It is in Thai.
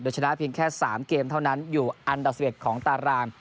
ชนะเพียงแค่๓เกมเท่านั้นอยู่อันดับ๑๑ของตาราง